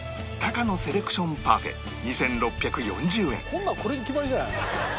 こんなんこれに決まりじゃない。